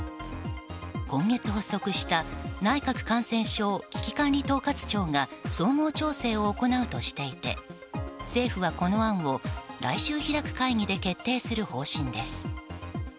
今月発足した内閣感染症危機管理統括庁が総合調整を行うとしていて政府はこの案を来週開く会議で決定する方針です。